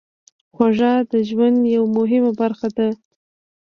خوږه د ژوند یوه مهمه برخه ده.